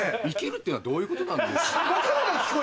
生きるっていうのはどういうことなんですか？